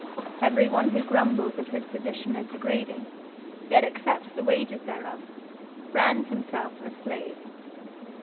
Every one who grumbles at his position as degrading, yet accepts the wages thereof, brands himself a slave.